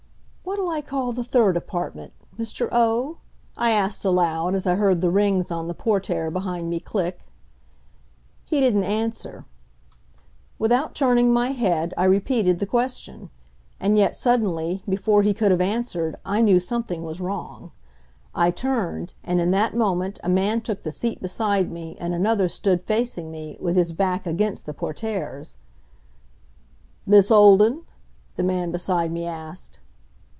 "What'll I call the third apartment house, Mr. O?" I asked aloud, as I heard the rings on the portiere behind me click. He didn't answer. Without turning my head I repeated the question. And yet suddenly before he could have answered, I knew something was wrong. I turned. And in that moment a man took the seat beside me and another stood facing me, with his back against the portieres. "Miss Olden?" the man beside me asked.